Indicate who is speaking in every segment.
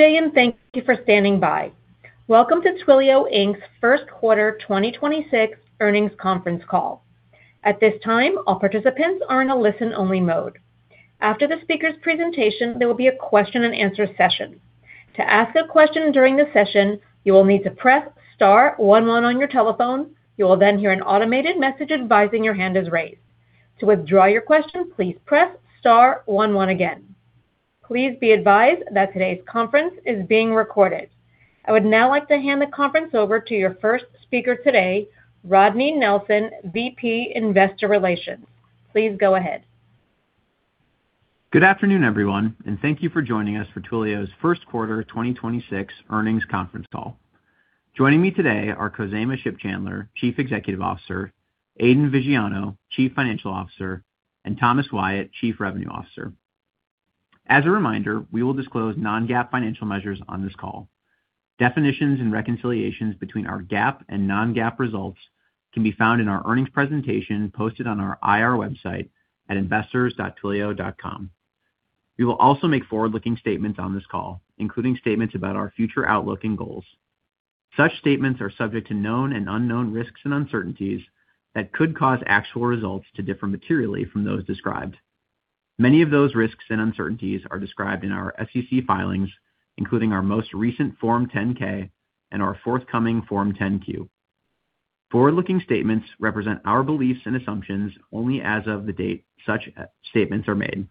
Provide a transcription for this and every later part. Speaker 1: Day and thank you for standing by. Welcome to Twilio Inc.'s first quarter 2026 earnings conference call. At this time, all participants are in a listen only mode. After the speaker's presentation, there will be a question and answer session. To ask a question during the session, you will need to press star one one on your telephone. You will then hear an automated message advising your hand is raised. To withdraw your question, please press star one one again. Please be advised that today's conference is being recorded. I would now like to hand the conference over to your first speaker today, Rodney Nelson, VP Investor Relations. Please go ahead.
Speaker 2: Good afternoon, everyone, thank you for joining us for Twilio's first quarter 2026 earnings conference call. Joining me today are Khozema Shipchandler, Chief Executive Officer, Aidan Viggiano, Chief Financial Officer, and Thomas Wyatt, Chief Revenue Officer. As a reminder, we will disclose non-GAAP financial measures on this call. Definitions and reconciliations between our GAAP and non-GAAP results can be found in our earnings presentation posted on our IR website at investors.twilio.com. We will also make forward-looking statements on this call, including statements about our future outlook and goals. Such statements are subject to known and unknown risks and uncertainties that could cause actual results to differ materially from those described. Many of those risks and uncertainties are described in our SEC filings, including our most recent Form 10-K and our forthcoming Form 10-Q. Forward-looking statements represent our beliefs and assumptions only as of the date such statements are made.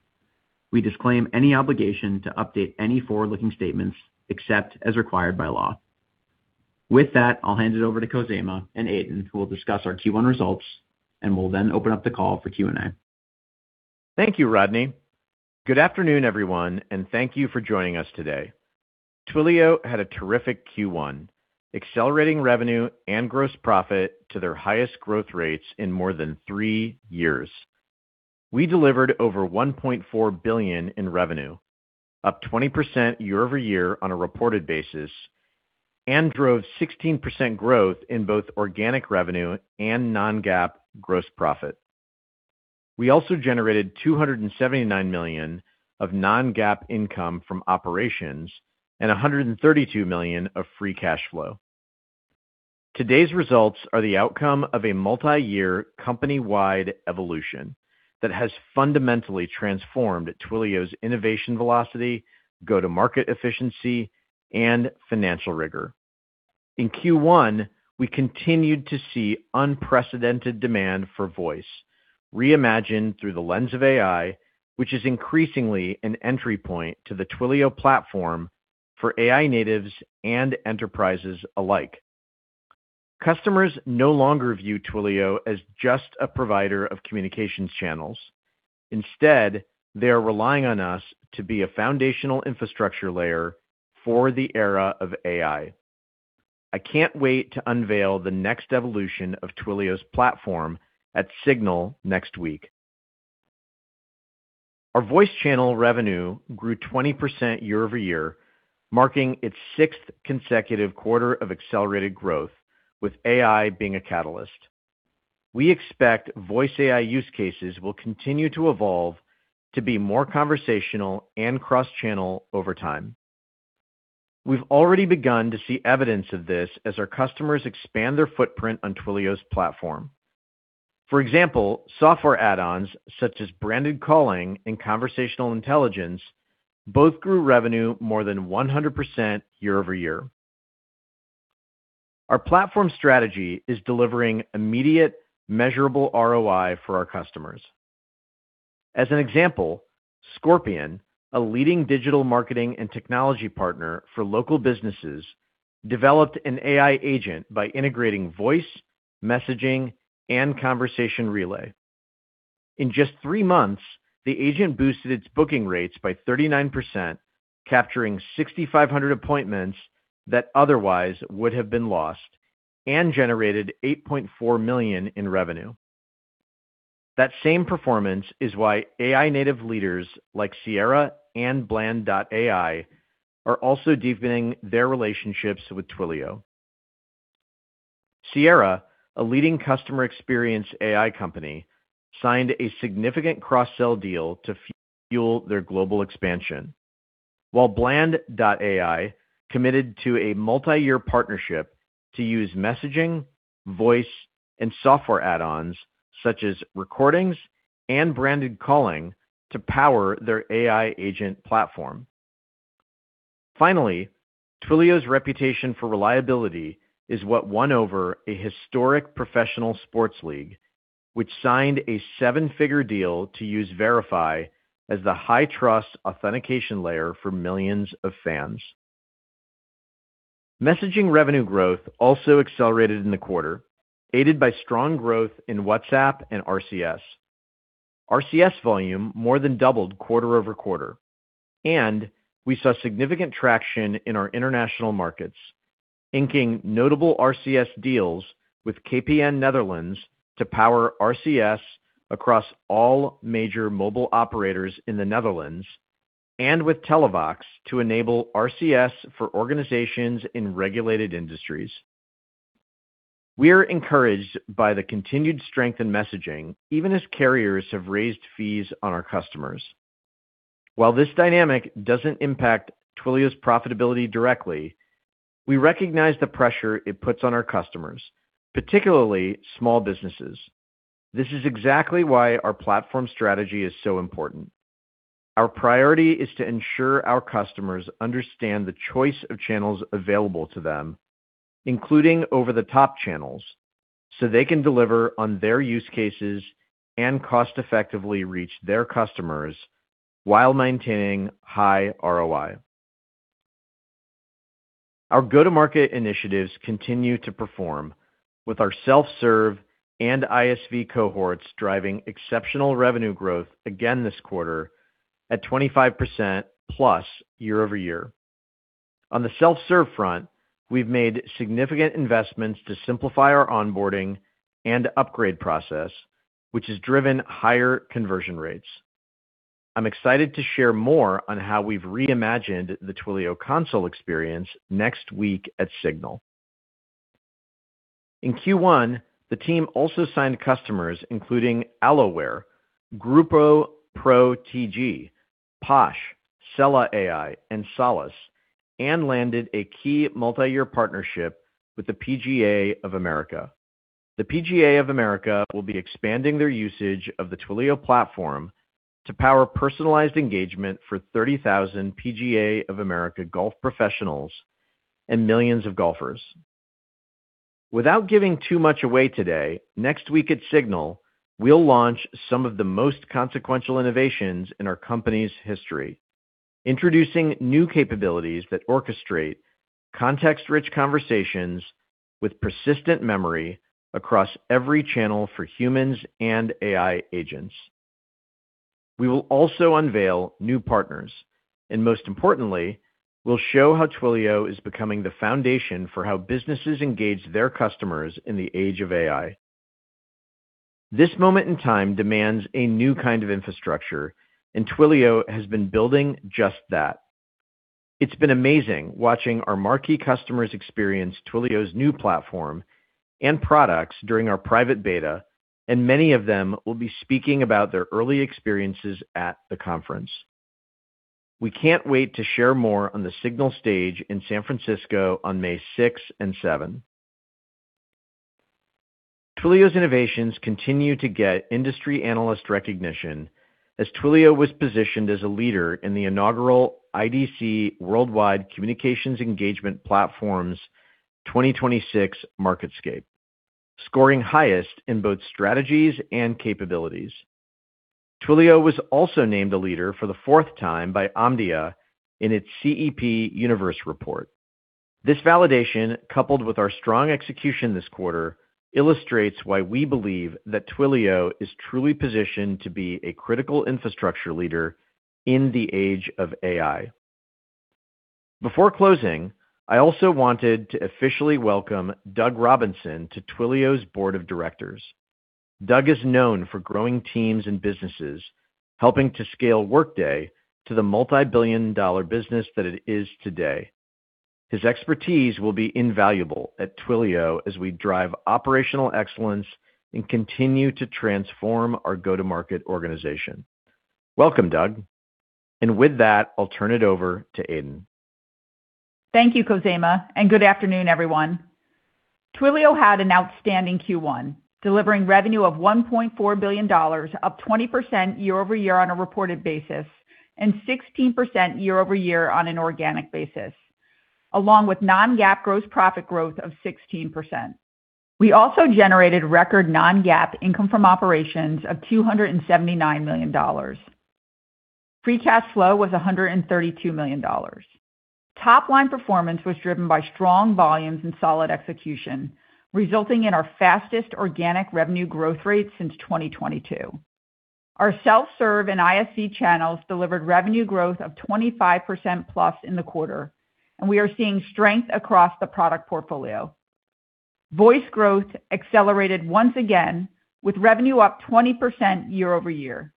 Speaker 2: We disclaim any obligation to update any forward-looking statements except as required by law. With that, I'll hand it over to Khozema and Aidan, who will discuss our Q1 results. We'll then open up the call for Q&A.
Speaker 3: Thank you, Rodney. Good afternoon, everyone, and thank you for joining us today. Twilio had a terrific Q1, accelerating revenue and gross profit to their highest growth rates in more than three years. We delivered over $1.4 billion in revenue, up 20% year-over-year on a reported basis, and drove 16% growth in both organic revenue and non-GAAP gross profit. We also generated $279 million of non-GAAP income from operations and $132 million of free cash flow. Today's results are the outcome of a multi-year company-wide evolution that has fundamentally transformed Twilio's innovation velocity, go-to-market efficiency, and financial rigor. In Q1, we continued to see unprecedented demand for voice reimagined through the lens of AI, which is increasingly an entry point to the Twilio platform for AI natives and enterprises alike. Customers no longer view Twilio as just a provider of communications channels. Instead, they are relying on us to be a foundational infrastructure layer for the era of AI. I can't wait to unveil the next evolution of Twilio's platform at SIGNAL next week. Our voice channel revenue grew 20% year-over-year, marking its sixth consecutive quarter of accelerated growth, with AI being a catalyst. We expect voice AI use cases will continue to evolve to be more conversational and cross-channel over time. We've already begun to see evidence of this as our customers expand their footprint on Twilio's platform. For example, software add-ons such as Branded Calling and Conversational Intelligence both grew revenue more than 100% year-over-year. Our platform strategy is delivering immediate, measurable ROI for our customers. As an example, Scorpion, a leading digital marketing and technology partner for local businesses, developed an AI agent by integrating voice, messaging, and ConversationRelay. In just three months, the agent boosted its booking rates by 39%, capturing 6,500 appointments that otherwise would have been lost and generated $8.4 million in revenue. That same performance is why AI native leaders like Sierra and Bland.ai are also deepening their relationships with Twilio. Sierra, a leading customer experience AI company, signed a significant cross-sell deal to fuel their global expansion. While Bland.ai committed to a multi-year partnership to use messaging, voice, and software add-ons such as recordings and Branded Calling to power their AI agent platform. Finally, Twilio's reputation for reliability is what won over a historic professional sports league, which signed a seven-figure deal to use Verify as the high-trust authentication layer for millions of fans. Messaging revenue growth also accelerated in the quarter, aided by strong growth in WhatsApp and RCS. RCS volume more than doubled quarter-over-quarter, and we saw significant traction in our international markets, inking notable RCS deals with KPN Netherlands to power RCS across all major mobile operators in the Netherlands and with Televox to enable RCS for organizations in regulated industries. We're encouraged by the continued strength in messaging, even as carriers have raised fees on our customers. While this dynamic doesn't impact Twilio's profitability directly, we recognize the pressure it puts on our customers, particularly small businesses. This is exactly why our platform strategy is so important. Our priority is to ensure our customers understand the choice of channels available to them, including over-the-top channels, so they can deliver on their use cases and cost-effectively reach their customers while maintaining high ROI. Our go-to-market initiatives continue to perform with our self-serve and ISV cohorts driving exceptional revenue growth again this quarter at 25%+ year-over-year. On the self-serve front, we've made significant investments to simplify our onboarding and upgrade process, which has driven higher conversion rates. I'm excited to share more on how we've reimagined the Twilio console experience next week at SIGNAL. In Q1, the team also signed customers, including Aloware, Grupo ProTG, Posh, Sela AI, and Solace, and landed a key multi-year partnership with the PGA of America. The PGA of America will be expanding their usage of the Twilio platform to power personalized engagement for 30,000 PGA of America golf professionals and millions of golfers. Without giving too much away today, next week at SIGNAL, we'll launch some of the most consequential innovations in our company's history, introducing new capabilities that orchestrate context-rich conversations with persistent memory across every channel for humans and AI agents. We will also unveil new partners, and most importantly, we'll show how Twilio is becoming the foundation for how businesses engage their customers in the age of AI. This moment in time demands a new kind of infrastructure, and Twilio has been building just that. It's been amazing watching our marquee customers experience Twilio's new platform and products during our private beta, and many of them will be speaking about their early experiences at the conference. We can't wait to share more on the SIGNAL stage in San Francisco on May 6 and 7. Twilio's innovations continue to get industry analyst recognition as Twilio was positioned as a leader in the inaugural IDC Worldwide Communications Engagement Platforms 2026 MarketScape, scoring highest in both strategies and capabilities. Twilio was also named a leader for the fourth time by Omdia in its CEP Universe report. This validation, coupled with our strong execution this quarter, illustrates why we believe that Twilio is truly positioned to be a critical infrastructure leader in the age of AI. Before closing, I also wanted to officially welcome Doug Robinson to Twilio's board of directors. Doug is known for growing teams and businesses, helping to scale Workday to the multi-billion dollar business that it is today. His expertise will be invaluable at Twilio as we drive operational excellence and continue to transform our go-to-market organization. Welcome, Doug. With that, I'll turn it over to Aidan.
Speaker 4: Thank you, Khozema, and good afternoon, everyone. Twilio had an outstanding Q1, delivering revenue of $1.4 billion, up 20% year-over-year on a reported basis and 16% year-over-year on an organic basis, along with non-GAAP gross profit growth of 16%. We also generated record non-GAAP income from operations of $279 million. Free cash flow was $132 million. Top line performance was driven by strong volumes and solid execution, resulting in our fastest organic revenue growth rate since 2022. Our self-serve and ISV channels delivered revenue growth of 25%+ in the quarter, and we are seeing strength across the product portfolio. Voice growth accelerated once again, with revenue up 20% year-over-year.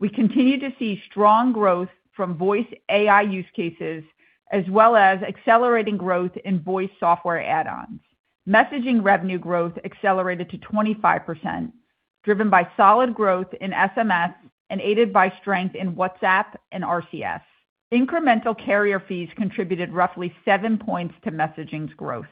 Speaker 4: We continue to see strong growth from voice AI use cases, as well as accelerating growth in voice software add-ons. Messaging revenue growth accelerated to 25%, driven by solid growth in SMS and aided by strength in WhatsApp and RCS. Incremental carrier fees contributed roughly seven points to messaging's growth.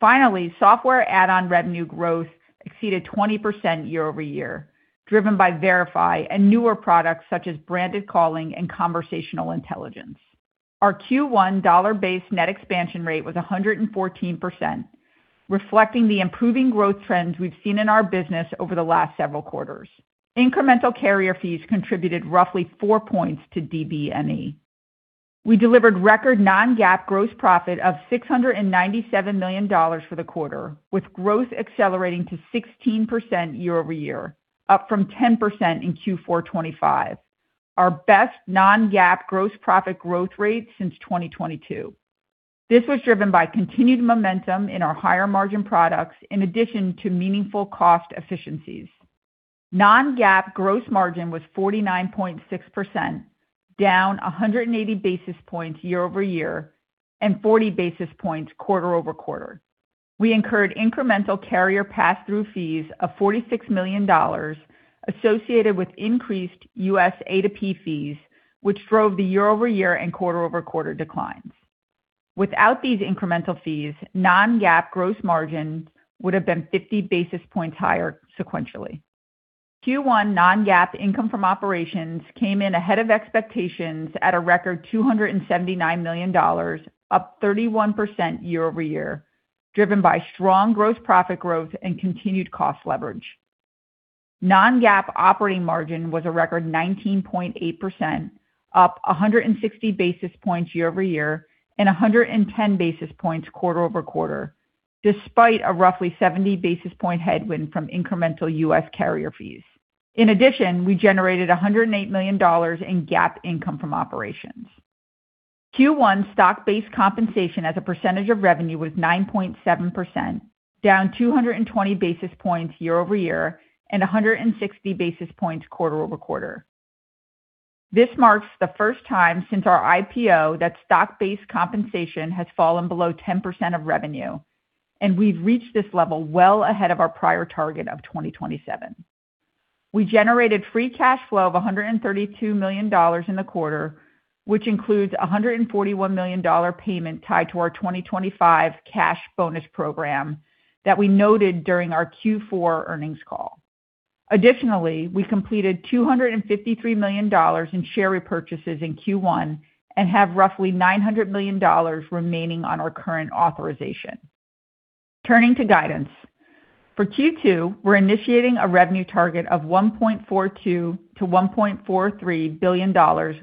Speaker 4: Software add-on revenue growth exceeded 20% year-over-year, driven by Verify and newer products such as Branded Calling and Conversational Intelligence. Our Q1 dollar-based net expansion rate was 114%, reflecting the improving growth trends we've seen in our business over the last several quarters. Incremental carrier fees contributed roughly four points to DBNE. We delivered record non-GAAP gross profit of $697 million for the quarter, with growth accelerating to 16% year-over-year, up from 10% in Q4 2025, our best non-GAAP gross profit growth rate since 2022. This was driven by continued momentum in our higher margin products in addition to meaningful cost efficiencies. Non-GAAP gross margin was 49.6%, down 180 basis points year-over-year and 40 basis points quarter-over-quarter. We incurred incremental carrier pass-through fees of $46 million associated with increased U.S. A2P fees, which drove the year-over-year and quarter-over-quarter declines. Without these incremental fees, non-GAAP gross margin would have been 50 basis points higher sequentially. Q1 non-GAAP income from operations came in ahead of expectations at a record $279 million, up 31% year-over-year, driven by strong gross profit growth and continued cost leverage. Non-GAAP operating margin was a record 19.8%, up 160 basis points year-over-year and 110 basis points quarter-over-quarter, despite a roughly 70 basis point headwind from incremental U.S. carrier fees. In addition, we generated $108 million in GAAP income from operations. Q1 stock-based compensation as a percentage of revenue was 9.7%, down 220 basis points year-over-year and 160 basis points quarter-over-quarter. This marks the first time since our IPO that stock-based compensation has fallen below 10% of revenue. We've reached this level well ahead of our prior target of 2027. We generated free cash flow of $132 million in the quarter, which includes a $141 million payment tied to our 2025 cash bonus program that we noted during our Q4 earnings call. Additionally, we completed $253 million in share repurchases in Q1 and have roughly $900 million remaining on our current authorization. Turning to guidance. For Q2, we're initiating a revenue target of $1.42 billion-$1.43 billion,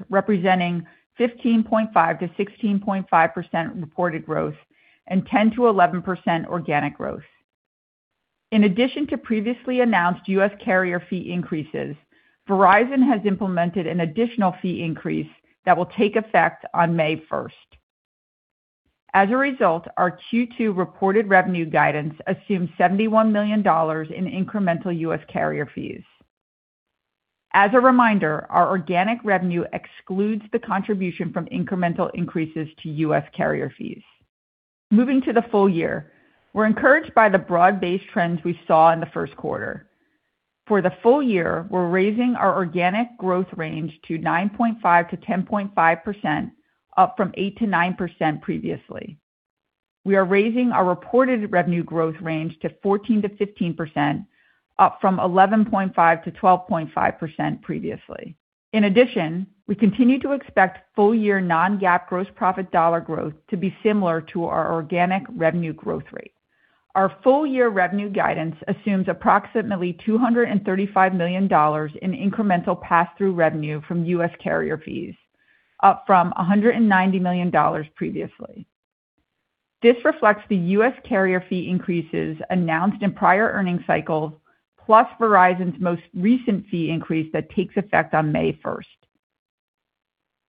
Speaker 4: representing 15.5%-16.5% reported growth and 10%-11% organic growth. In addition to previously announced U.S. carrier fee increases, Verizon has implemented an additional fee increase that will take effect on May 1st. As a result, our Q2 reported revenue guidance assumes $71 million in incremental U.S. carrier fees. As a reminder, our organic revenue excludes the contribution from incremental increases to U.S. carrier fees. Moving to the full year, we're encouraged by the broad-based trends we saw in the first quarter. For the full year, we're raising our organic growth range to 9.5%-10.5%, up from 8%-9% previously. We are raising our reported revenue growth range to 14%-15%, up from 11.5%-12.5% previously. In addition, we continue to expect full year non-GAAP gross profit dollar growth to be similar to our organic revenue growth rate. Our full year revenue guidance assumes approximately $235 million in incremental pass-through revenue from U.S. carrier fees, up from $190 million previously. This reflects the U.S. carrier fee increases announced in prior earning cycles, plus Verizon's most recent fee increase that takes effect on May 1st.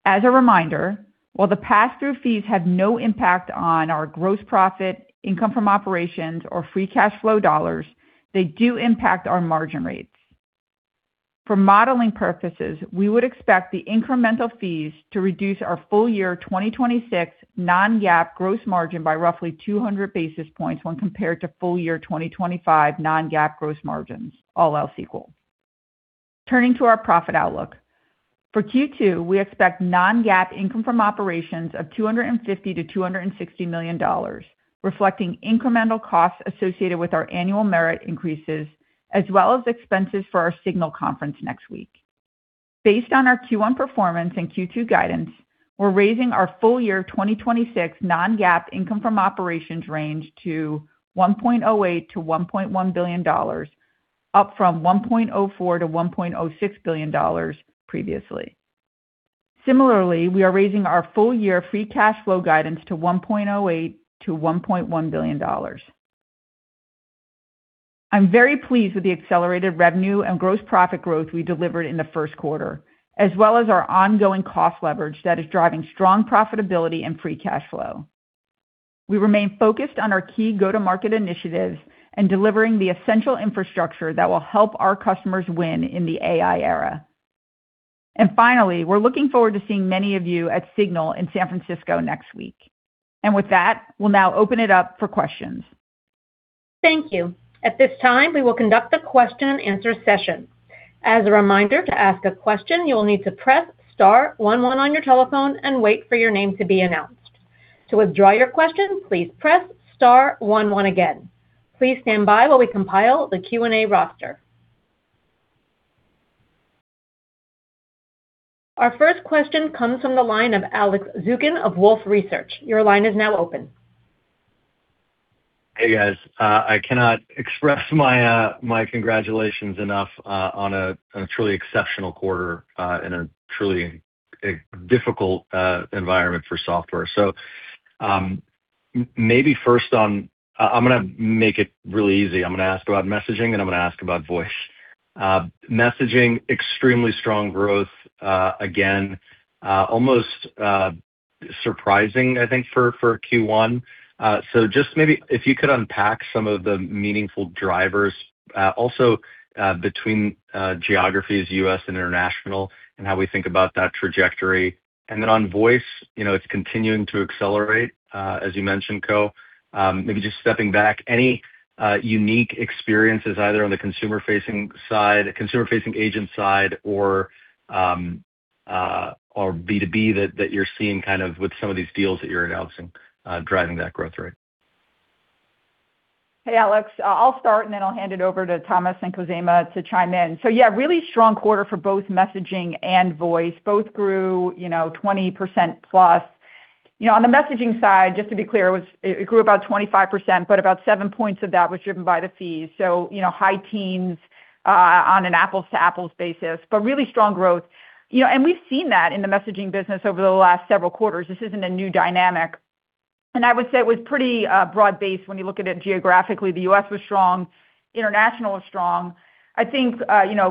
Speaker 4: As a reminder, while the pass-through fees have no impact on our gross profit, income from operations, or free cash flow dollars, they do impact our margin rates. For modeling purposes, we would expect the incremental fees to reduce our full year 2026 non-GAAP gross margin by roughly 200 basis points when compared to full year 2025 non-GAAP gross margins, all else equal. Turning to our profit outlook. For Q2, we expect non-GAAP income from operations of $250 million-$260 million, reflecting incremental costs associated with our annual merit increases, as well as expenses for our SIGNAL conference next week. Based on our Q1 performance and Q2 guidance, we're raising our full year 2026 non-GAAP income from operations range to $1.08 billion-$1.1 billion, up from $1.04 billion-$1.06 billion previously. Similarly, we are raising our full year free cash flow guidance to $1.08 billion-$1.1 billion. I'm very pleased with the accelerated revenue and gross profit growth we delivered in the first quarter, as well as our ongoing cost leverage that is driving strong profitability and free cash flow. We remain focused on our key go-to-market initiatives and delivering the essential infrastructure that will help our customers win in the AI era. Finally, we're looking forward to seeing many of you at SIGNAL in San Francisco next week. With that, we'll now open it up for questions.
Speaker 1: Thank you. At this time, we will conduct a question and answer session. As a reminder, to ask a question, you will need to press star one one on your telephone and wait for your name to be announced. To withdraw your question, please press star one one again. Please stand by while we compile the Q&A roster. Our first question comes from the line of Alex Zukin of Wolfe Research. Your line is now open.
Speaker 5: Hey, guys. I cannot express my congratulations enough on a truly exceptional quarter in a truly difficult environment for software. Maybe first on- I'm gonna make it really easy. I'm gonna ask about messaging, and I'm gonna ask about voice. Messaging, extremely strong growth, again. Surprising, I think, for Q1. Just maybe if you could unpack some of the meaningful drivers, also, between geographies, U.S. and international, and how we think about that trajectory. On voice, you know, it's continuing to accelerate, as you mentioned, Kho. Maybe just stepping back, any unique experiences, either on the consumer-facing side, consumer-facing agent side or B2B that you're seeing kind of with some of these deals that you're announcing, driving that growth rate?
Speaker 4: Hey, Alex. I'll start, and then I'll hand it over to Thomas and Khozema to chime in. Yeah, really strong quarter for both messaging and voice. Both grew 20%+. On the messaging side, just to be clear, it was-- it grew about 25%, but about seven points of that was driven by the fees. High teens on an apples-to-apples basis, but really strong growth. We've seen that in the messaging business over the last several quarters. This isn't a new dynamic. I would say it was pretty broad-based when you look at it geographically. The U.S. was strong. International was strong. I think,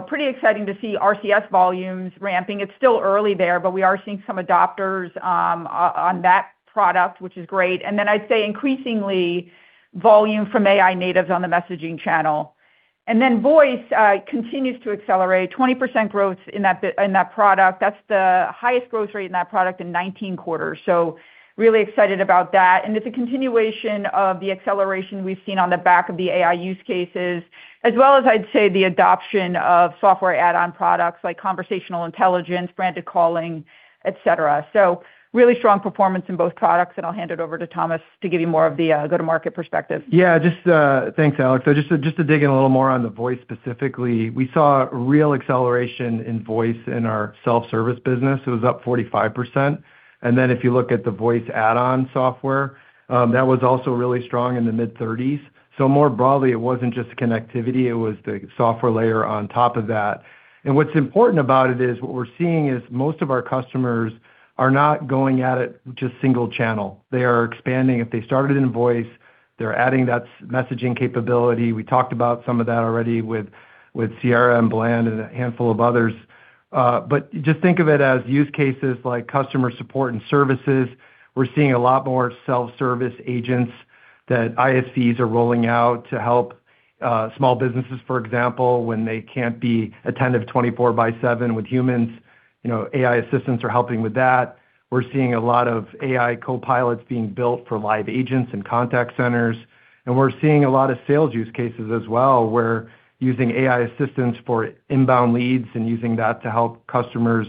Speaker 4: pretty exciting to see RCS volumes ramping. It's still early there, but we are seeing some adopters on that product, which is great. I'd say increasingly volume from AI natives on the messaging channel. Voice continues to accelerate. 20% growth in that product. That's the highest growth rate in that product in 19 quarters. Really excited about that. It's a continuation of the acceleration we've seen on the back of the AI use cases, as well as I'd say the adoption of software add-on products like Conversational Intelligence, Branded Calling, et cetera. Really strong performance in both products, and I'll hand it over to Thomas to give you more of the go-to-market perspective.
Speaker 6: Thanks, Alex. Just to dig in a little more on the voice specifically. We saw real acceleration in voice in our self-service business. It was up 45%. If you look at the voice add-on software, that was also really strong in the mid-30%s. More broadly, it wasn't just the connectivity, it was the software layer on top of that. What's important about it is what we're seeing is most of our customers are not going at it just single channel. They are expanding. If they started in voice, they're adding that messaging capability. We talked about some of that already with Sierra and Bland and a handful of others. Just think of it as use cases like customer support and services. We're seeing a lot more self-service agents that ISVs are rolling out to help small businesses, for example, when they can't be attentive 24 by 7 with humans. You know, AI assistants are helping with that. We're seeing a lot of AI co-pilots being built for live agents and contact centers. We're seeing a lot of sales use cases as well. We're using AI assistants for inbound leads and using that to help customers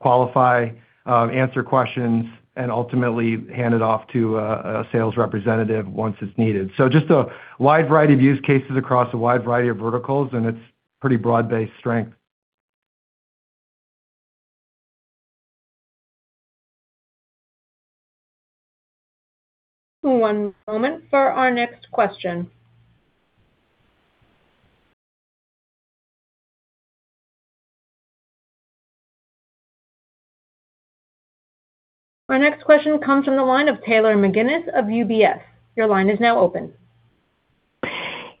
Speaker 6: qualify, answer questions, and ultimately hand it off to a sales representative once it's needed. Just a wide variety of use cases across a wide variety of verticals, and it's pretty broad-based strength.
Speaker 1: One moment for our next question. Our next question comes from the line of Taylor McGinnis of UBS. Your line is now open.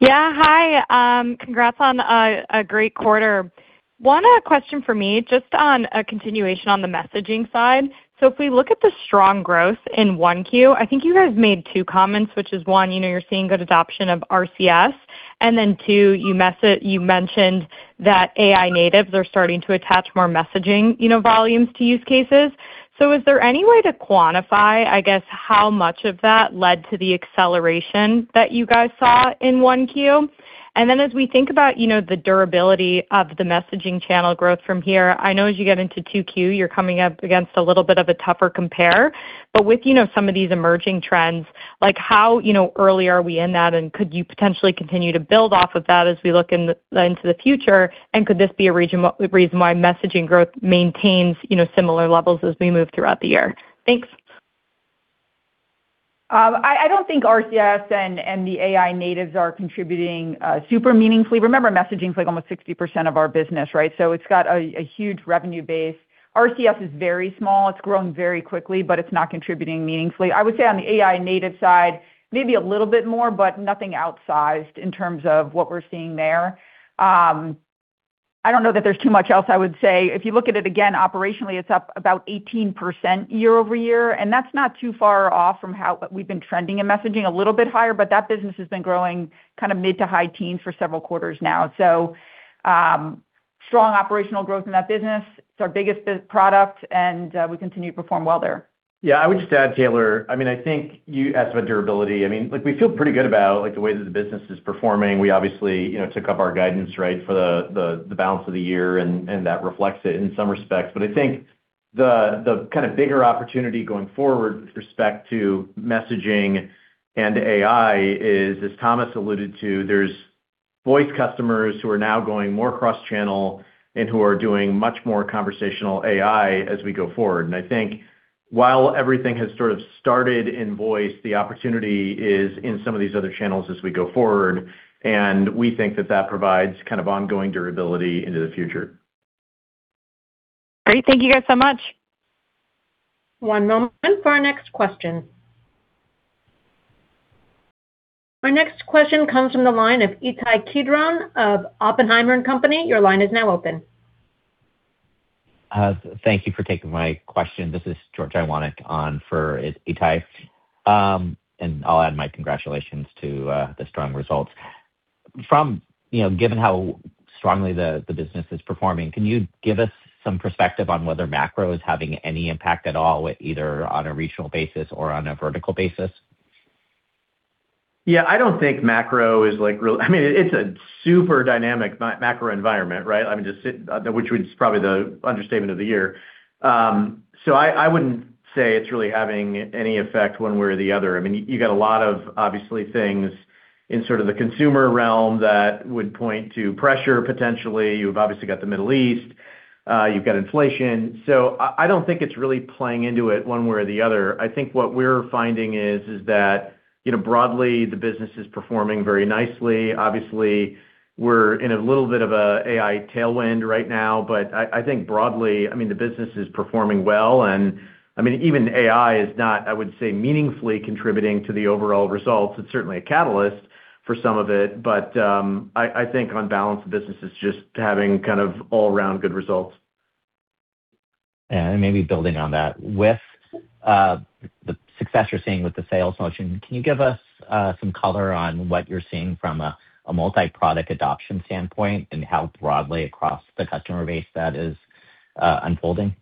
Speaker 7: Yeah, hi. Congrats on a great quarter. One question from me, just on a continuation on the messaging side. If we look at the strong growth in 1Q, I think you guys made two comments, which is, one, you know, you're seeing good adoption of RCS, and then two, you mentioned that AI natives are starting to attach more messaging, you know, volumes to use cases. Is there any way to quantify, I guess, how much of that led to the acceleration that you guys saw in 1Q? As we think about, you know, the durability of the messaging channel growth from here, I know as you get into 2Q, you're coming up against a little bit of a tougher compare. With, you know, some of these emerging trends, like how, you know, early are we in that, and could you potentially continue to build off of that as we look into the future? Could this be a reason why messaging growth maintains, you know, similar levels as we move throughout the year? Thanks.
Speaker 4: I don't think RCS and the AI natives are contributing super meaningfully. Remember, messaging's like almost 60% of our business, right? It's got a huge revenue base. RCS is very small. It's grown very quickly, but it's not contributing meaningfully. I would say on the AI native side, maybe a little bit more, but nothing outsized in terms of what we're seeing there. I don't know that there's too much else I would say. If you look at it again, operationally, it's up about 18% year-over-year, and that's not too far off from how we've been trending in messaging. A little bit higher, but that business has been growing kind of mid- to high-teens for several quarters now. Strong operational growth in that business. It's our biggest product, and we continue to perform well there.
Speaker 3: Yeah, I would just add, Taylor, I mean, I think you asked about durability. I mean, like we feel pretty good about, like, the way that the business is performing. We obviously, you know, took up our guidance, right, for the balance of the year and that reflects it in some respects. I think the kind of bigger opportunity going forward with respect to messaging and AI is, as Thomas alluded to, there's voice customers who are now going more cross-channel and who are doing much more conversational AI as we go forward. I think while everything has sort of started in voice, the opportunity is in some of these other channels as we go forward. We think that provides kind of ongoing durability into the future.
Speaker 7: Great. Thank you guys so much.
Speaker 1: Our next question comes from the line of Ittai Kidron of Oppenheimer and Company.
Speaker 8: Thank you for taking my question. This is George Iwanyc on for Ittai. I'll add my congratulations to the strong results. You know, given how strongly the business is performing, can you give us some perspective on whether macro is having any impact at all with either on a regional basis or on a vertical basis?
Speaker 3: Yeah, I don't think macro is, like, real. I mean, it's a super dynamic macro environment, right? I mean, Which was probably the understatement of the year. I wouldn't say it's really having any effect one way or the other. I mean, you got a lot of obviously things in sort of the consumer realm that would point to pressure potentially. You've obviously got the Middle East, you've got inflation. I don't think it's really playing into it one way or the other. I think what we're finding is that, you know, broadly, the business is performing very nicely. Obviously, we're in a little bit of an AI tailwind right now. I think broadly, I mean, the business is performing well. I mean, even AI is not, I would say, meaningfully contributing to the overall results. It's certainly a catalyst for some of it, but, I think on balance, the business is just having kind of all around good results.
Speaker 8: Maybe building on that. With the success you're seeing with the sales motion, can you give us some color on what you're seeing from a multi-product adoption standpoint and how broadly across the customer base that is unfolding?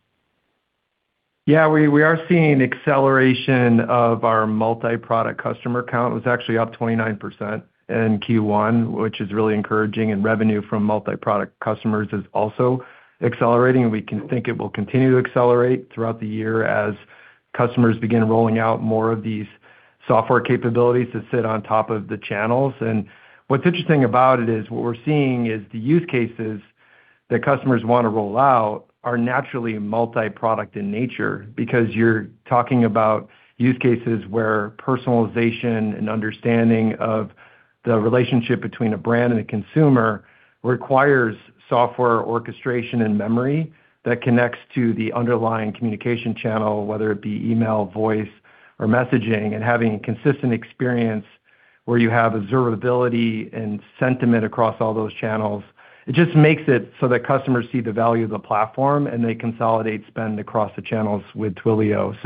Speaker 6: Yeah, we are seeing acceleration of our multi-product customer count. It was actually up 29% in Q1, which is really encouraging, and revenue from multi-product customers is also accelerating, and we can think it will continue to accelerate throughout the year as customers begin rolling out more of these software capabilities that sit on top of the channels. What's interesting about it is what we're seeing is the use cases that customers want to roll out are naturally multi-product in nature because you're talking about use cases where personalization and understanding of the relationship between a brand and a consumer requires software orchestration and memory that connects to the underlying communication channel, whether it be email, voice, or messaging, and having a consistent experience where you have observability and sentiment across all those channels. It just makes it so that customers see the value of the platform, and they consolidate spend across the channels with Twilio.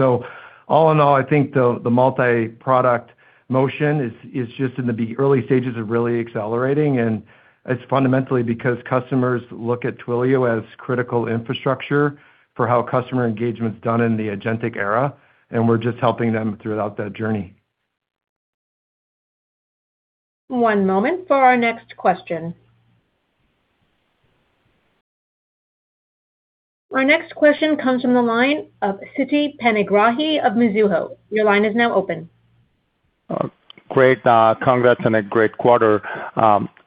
Speaker 6: All in all, I think the multi-product motion is just in the early stages of really accelerating, and it's fundamentally because customers look at Twilio as critical infrastructure for how customer engagement's done in the agentic era, and we're just helping them throughout that journey.
Speaker 1: One moment for our next question. Our next question comes from the line of Siti Panigrahi of Mizuho. Your line is now open.
Speaker 9: Great, congrats on a great quarter.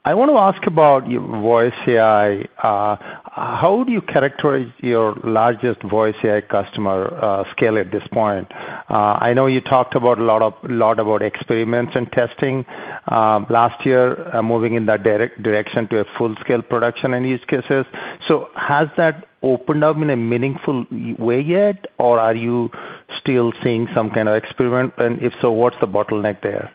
Speaker 9: I want to ask about your voice AI. How do you characterize your largest voice AI customer, scale at this point? I know you talked about a lot about experiments and testing, last year, moving in that direction to a full-scale production in use cases. Has that opened up in a meaningful way yet, or are you still seeing some kind of experiment? If so, what's the bottleneck there?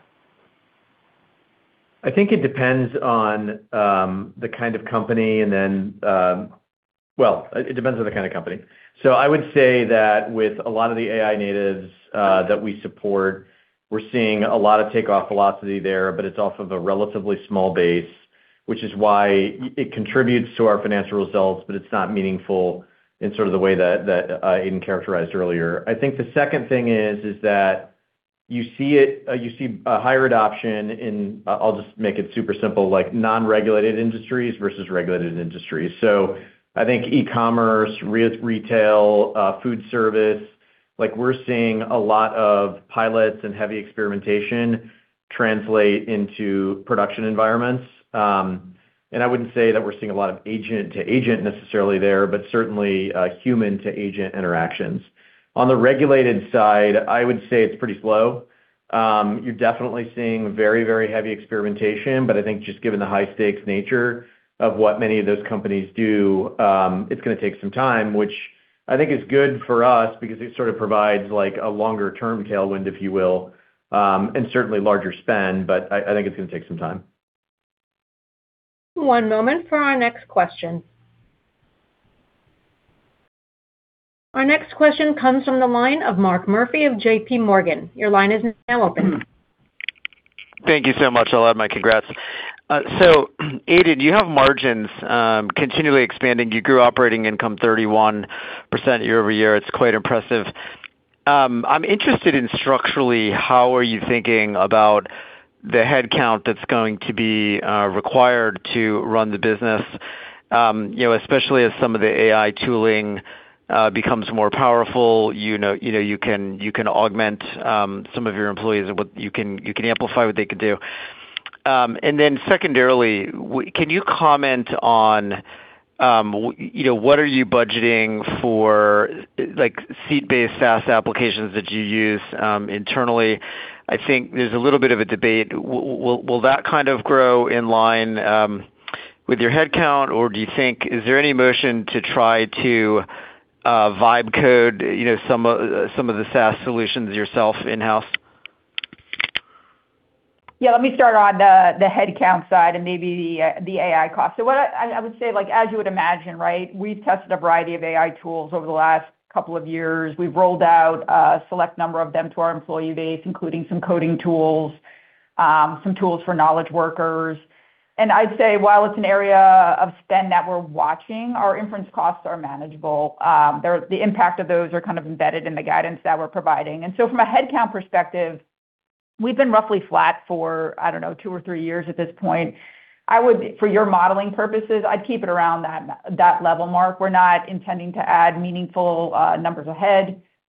Speaker 3: I think it depends on the kind of company and then. Well, it depends on the kind of company. I would say that with a lot of the AI natives that we support, we're seeing a lot of takeoff velocity there, but it's off of a relatively small base, which is why it contributes to our financial results, but it's not meaningful in sort of the way that Aidan characterized earlier. I think the second thing is that you see a higher adoption in, I'll just make it super simple, like non-regulated industries versus regulated industries. I think e-commerce, retail, food service, like we're seeing a lot of pilots and heavy experimentation translate into production environments. I wouldn't say that we're seeing a lot of agent to agent necessarily there, but certainly, human to agent interactions. On the regulated side, I would say it's pretty slow. You're definitely seeing very, very heavy experimentation, but I think just given the high stakes nature of what many of those companies do, it's gonna take some time, which I think is good for us because it sort of provides like a longer term tailwind, if you will, and certainly larger spend, but I think it's gonna take some time.
Speaker 1: One moment for our next question. Our next question comes from the line of Mark Murphy of JPMorgan. Your line is now open.
Speaker 10: Thank you so much. I'll add my congrats. Aidan, you have margins continually expanding. You grew operating income 31% year-over-year. It's quite impressive. I'm interested in structurally, how are you thinking about the headcount that's going to be required to run the business? You know, especially as some of the AI tooling becomes more powerful, you know, you know, you can augment some of your employees and what you can amplify what they could do. Secondarily, can you comment on, you know, what are you budgeting for, like, seat-based SaaS applications that you use internally? I think there's a little bit of a debate. Will that kind of grow in line? With your headcount, or do you think, is there any motion to try to vibe code, you know, some of the SaaS solutions yourself in-house?
Speaker 4: Let me start on the headcount side and maybe the AI cost. What I would say, like, as you would imagine, right, we've tested a variety of AI tools over the last couple of years. We've rolled out a select number of them to our employee base, including some coding tools, some tools for knowledge workers. I'd say while it's an area of spend that we're watching, our inference costs are manageable. The impact of those are kind of embedded in the guidance that we're providing. From a headcount perspective, we've been roughly flat for, I don't know, two or three years at this point. I would, for your modeling purposes, I'd keep it around that level mark. We're not intending to add meaningful numbers,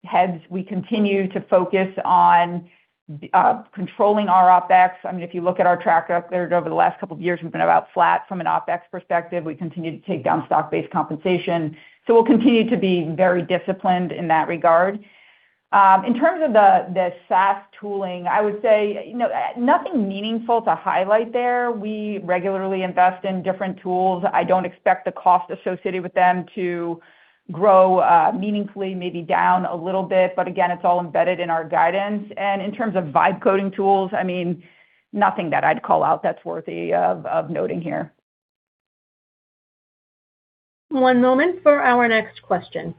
Speaker 4: heads. We continue to focus on controlling our OpEx. I mean, if you look at our track record over the last couple of years, we've been about flat from an OpEx perspective. We continue to take down stock-based compensation. We'll continue to be very disciplined in that regard. In terms of the SaaS tooling, I would say, you know, nothing meaningful to highlight there. We regularly invest in different tools. I don't expect the cost associated with them to grow meaningfully, maybe down a little bit. Again, it's all embedded in our guidance. In terms of vibe coding tools, I mean, nothing that I'd call out that's worthy of noting here.
Speaker 1: One moment for our next question.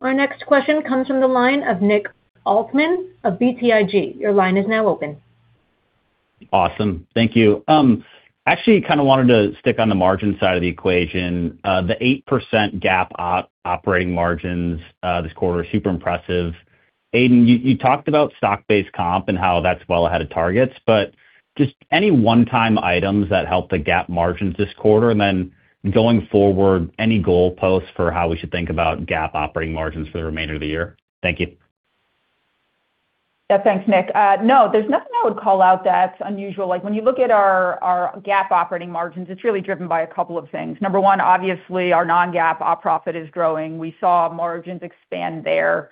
Speaker 1: Our next question comes from the line of Nick Altmann of BTIG. Your line is now open.
Speaker 11: Awesome. Thank you. Actually kind of wanted to stick on the margin side of the equation. The 8% GAAP operating margins, this quarter, super impressive. Aidan, you talked about stock-based comp and how that's well ahead of targets, just any one-time items that helped the GAAP margins this quarter? Going forward, any goalposts for how we should think about GAAP operating margins for the remainder of the year? Thank you.
Speaker 4: Thanks, Nick. There's nothing I would call out that's unusual. Like, when you look at our GAAP operating margins, it's really driven by a couple of things. Number one, obviously, our non-GAAP Op profit is growing. We saw margins expand there.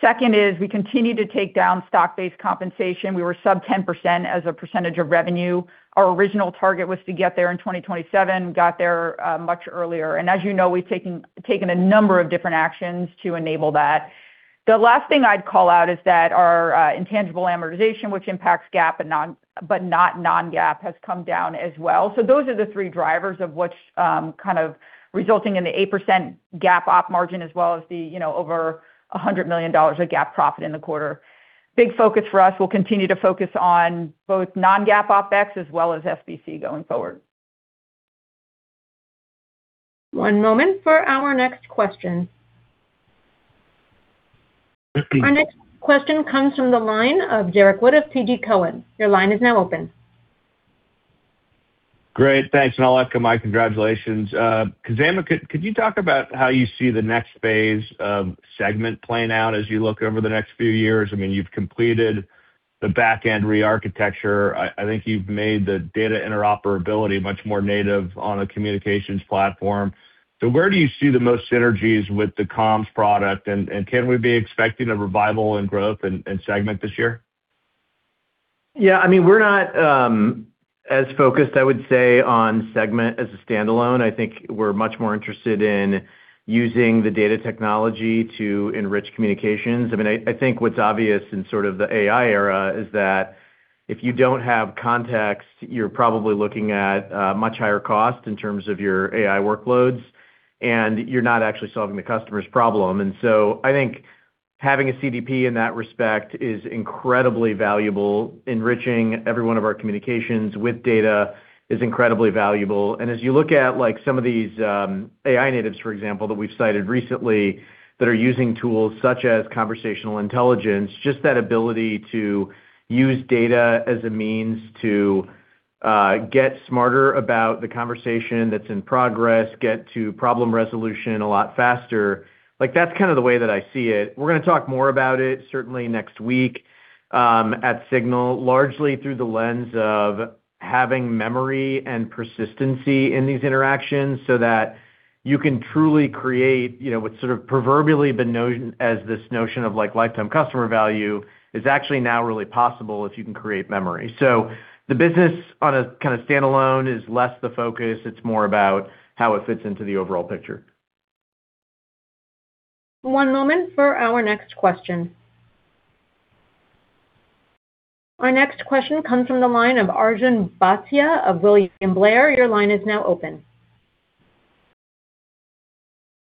Speaker 4: Second is we continue to take down stock-based compensation. We were sub 10% as a percentage of revenue. Our original target was to get there in 2027. Got there much earlier. As you know, we've taken a number of different actions to enable that. The last thing I'd call out is that our intangible amortization, which impacts GAAP but not non-GAAP, has come down as well. Those are the three drivers of which, kind of resulting in the 8% GAAP op margin as well as the, you know, over $100 million of GAAP profit in the quarter. Big focus for us. We'll continue to focus on both non-GAAP OpEx as well as SBC going forward.
Speaker 1: One moment for our next question. Our next question comes from the line of Derrick Wood of TD Cowen. Your line is now open.
Speaker 12: Great. Thanks. I'll echo Mark. Congratulations. Khozema, could you talk about how you see the next phase of Segment playing out as you look over the next few years? I mean, you've completed the back-end rearchitecture. I think you've made the data interoperability much more native on a communications platform. Where do you see the most synergies with the comms product, and can we be expecting a revival in growth in Segment this year?
Speaker 3: Yeah, I mean, we're not as focused, I would say, on Segment as a standalone. I think we're much more interested in using the data technology to enrich communications. I mean, I think what's obvious in sort of the AI era is that if you don't have context, you're probably looking at much higher cost in terms of your AI workloads, and you're not actually solving the customer's problem. I think having a CDP in that respect is incredibly valuable. Enriching every one of our communications with data is incredibly valuable. As you look at, like, some of these AI natives, for example, that we've cited recently that are using tools such as Conversational Intelligence, just that ability to use data as a means to get smarter about the conversation that's in progress, get to problem resolution a lot faster, like, that's kind of the way that I see it. We're gonna talk more about it certainly next week at SIGNAL, largely through the lens of having memory and persistency in these interactions so that you can truly create, you know, what sort of proverbially been as this notion of, like, lifetime customer value is actually now really possible if you can create memory. The business on a kinda standalone is less the focus. It's more about how it fits into the overall picture.
Speaker 1: One moment for our next question. Our next question comes from the line of Arjun Bhatia of William Blair. Your line is now open.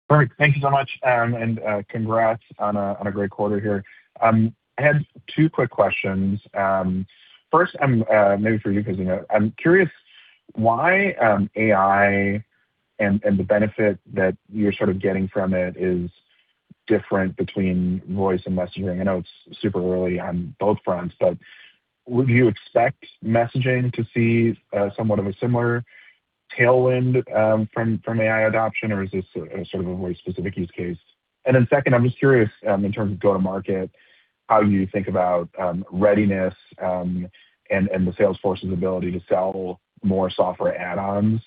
Speaker 13: Great. Thank you so much. Congrats on a great quarter here. I had two quick questions. First, maybe for you, Khozema. I'm curious why AI and the benefit that you're sort of getting from it is different between voice and messaging. I know it's super early on both fronts, but would you expect messaging to see somewhat of a similar tailwind from AI adoption, or is this a very specific use case? Second, I'm just curious, in terms of go-to-market, how you think about readiness and the sales force's ability to sell more software add-ons,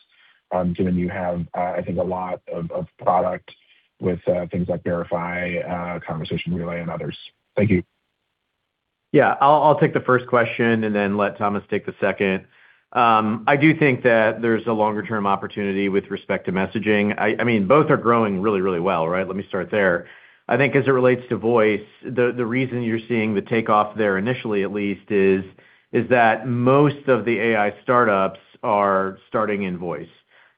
Speaker 13: given you have I think a lot of product with things like Verify, ConversationRelay and others. Thank you.
Speaker 3: Yeah. I'll take the first question and then let Thomas take the second. I do think that there's a longer-term opportunity with respect to messaging. I mean, both are growing really, really well, right? Let me start there. I think as it relates to voice, the reason you're seeing the takeoff there initially, at least, is that most of the AI startups are starting in voice.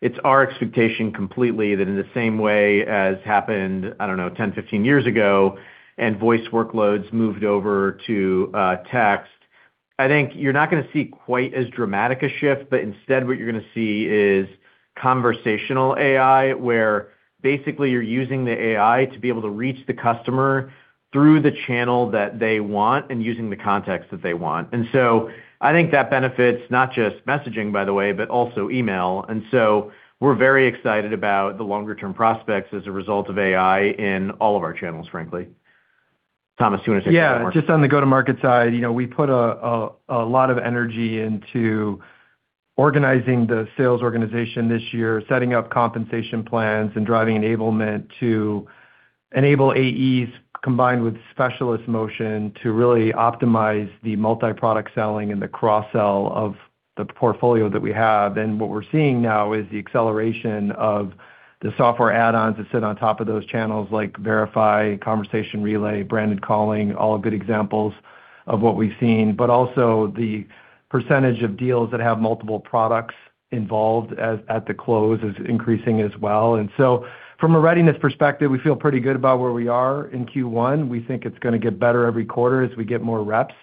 Speaker 3: It's our expectation completely that in the same way as happened, I don't know, 10, 15 years ago, voice workloads moved over to text. I think you're not gonna see quite as dramatic a shift, but instead what you're gonna see is conversational AI, where basically you're using the AI to be able to reach the customer through the channel that they want and using the context that they want. I think that benefits not just messaging, by the way, but also email. We're very excited about the longer-term prospects as a result of AI in all of our channels, frankly. Thomas, do you wanna say?
Speaker 6: Yeah. Just on the go-to-market side, you know, we put a lot of energy into organizing the sales organization this year, setting up compensation plans, and driving enablement to enable AEs combined with specialist motion to really optimize the multi-product selling and the cross-sell of the portfolio that we have. What we're seeing now is the acceleration of the software add-ons that sit on top of those channels like Verify, ConversationRelay, Branded Calling, all good examples of what we've seen, but also the percentage of deals that have multiple products involved at the close is increasing as well. From a readiness perspective, we feel pretty good about where we are in Q1. We think it's gonna get better every quarter as we get more reps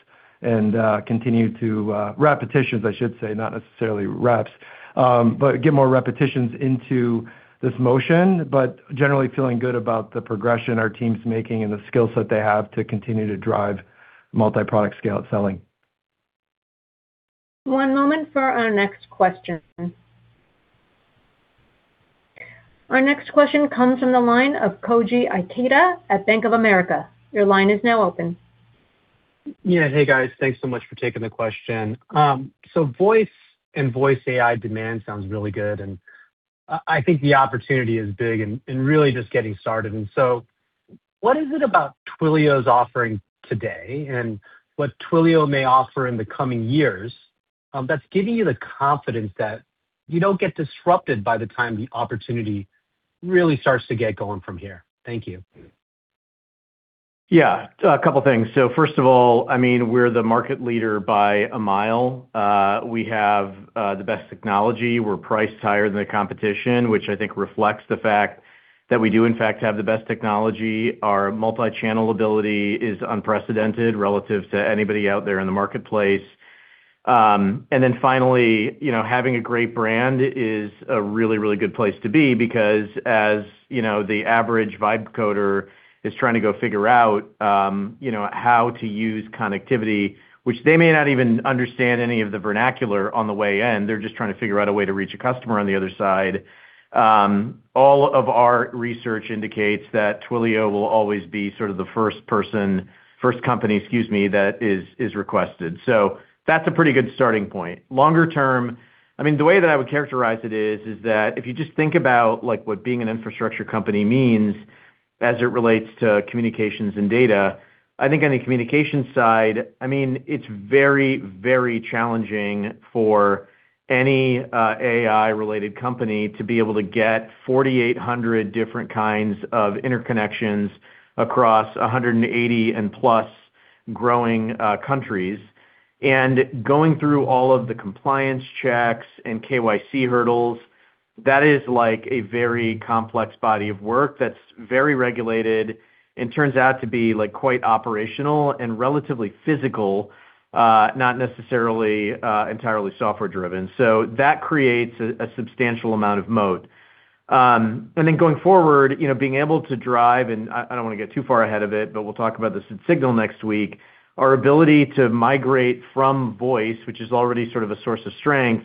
Speaker 6: and continue to repetitions, I should say, not necessarily reps, but get more repetitions into this motion. Generally feeling good about the progression our team's making and the skill set they have to continue to drive multi-product scale out selling.
Speaker 1: One moment for our next question. Our next question comes from the line of Koji Ikeda at Bank of America. Your line is now open.
Speaker 14: Yeah. Hey, guys. Thanks so much for taking the question. Voice and voice AI demand sounds really good, and I think the opportunity is big and really just getting started. What is it about Twilio's offering today and what Twilio may offer in the coming years, that's giving you the confidence that you don't get disrupted by the time the opportunity really starts to get going from here? Thank you.
Speaker 3: Yeah. A couple things. First of all, I mean, we're the market leader by a mile. We have the best technology. We're priced higher than the competition, which I think reflects the fact that we do in fact have the best technology. Our multi-channel ability is unprecedented relative to anybody out there in the marketplace. Finally, you know, having a great brand is a really, really good place to be because as, you know, the average vibe coder is trying to go figure out, you know, how to use connectivity, which they may not even understand any of the vernacular on the way in. They're just trying to figure out a way to reach a customer on the other side. All of our research indicates that Twilio will always be sort of the first company, excuse me, that is requested. That's a pretty good starting point. Longer term, I mean, the way that I would characterize it is that if you just think about, like, what being an infrastructure company means as it relates to communications and data, I think on the communication side, I mean, it's very, very challenging for any AI-related company to be able to get 4,800 different kinds of interconnections across 180 and plus growing countries. Going through all of the compliance checks and KYC hurdles, that is like a very complex body of work that's very regulated and turns out to be, like, quite operational and relatively physical, not necessarily entirely software driven. That creates a substantial amount of moat. Going forward, you know, being able to drive, I don't wanna get too far ahead of it, but we'll talk about this at SIGNAL next week. Our ability to migrate from voice, which is already sort of a source of strength,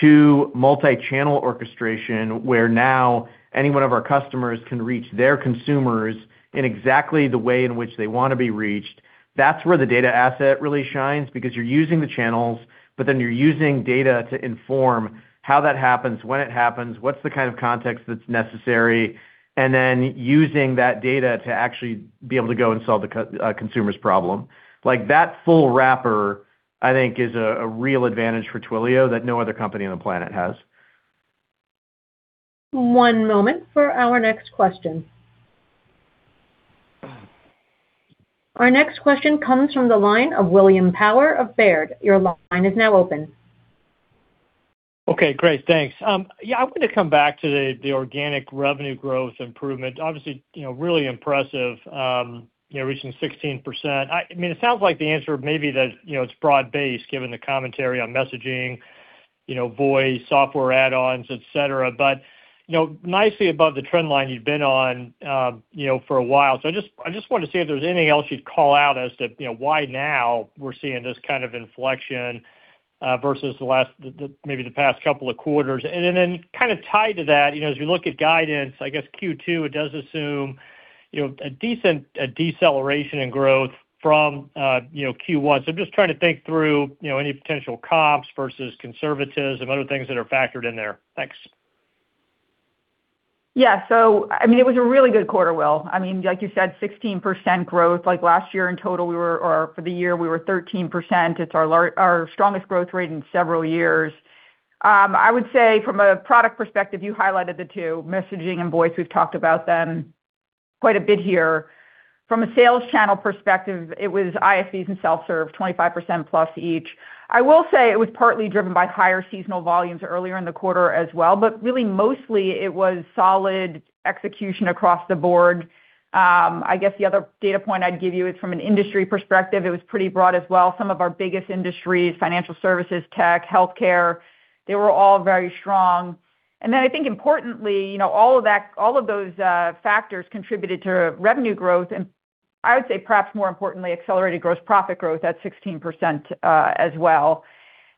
Speaker 3: to multi-channel orchestration, where now any one of our customers can reach their consumers in exactly the way in which they wanna be reached. That's where the data asset really shines because you're using the channels, but then you're using data to inform how that happens, when it happens, what's the kind of context that's necessary, and then using that data to actually be able to go and solve a consumer's problem. Like, that full wrapper, I think, is a real advantage for Twilio that no other company on the planet has.
Speaker 1: One moment for our next question. Our next question comes from the line of William Power of Baird. Your line is now open.
Speaker 15: Okay, great. Thanks. Yeah, I'm gonna come back to the organic revenue growth improvement. Obviously, you know, really impressive, you know, reaching 16%. I mean, it sounds like the answer may be that, you know, it's broad-based, given the commentary on messaging, you know, voice, software add-ons, et cetera. You know, nicely above the trend line you've been on, you know, for a while. I just wanted to see if there's anything else you'd call out as to, you know, why now we're seeing this kind of inflection versus the last, the maybe the past couple of quarters. Then kind of tied to that, you know, as we look at guidance, I guess Q2, it does assume, you know, a decent deceleration in growth from, you know, Q1. I'm just trying to think through, you know, any potential comps versus conservatism, other things that are factored in there. Thanks.
Speaker 4: It was a really good quarter, Will. Like you said, 16% growth. Last year in total for the year, we were 13%. It's our strongest growth rate in several years. I would say from a product perspective, you highlighted the two, messaging and voice. We've talked about them quite a bit here. From a sales channel perspective, it was ISVs and self-serve, 25%+ each. I will say it was partly driven by higher seasonal volumes earlier in the quarter as well, really mostly it was solid execution across the board. I guess the other data point I'd give you is from an industry perspective, it was pretty broad as well. Some of our biggest industries, financial services, tech, healthcare, they were all very strong. I think importantly, you know, all of those factors contributed to revenue growth and I would say perhaps more importantly, accelerated gross profit growth at 16% as well.